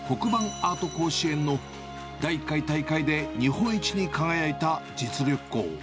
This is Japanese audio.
アート甲子園の第１回大会で日本一に輝いた実力校。